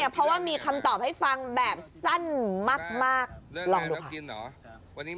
เพราะว่ามีคำตอบให้ฟังแบบสั้นมาก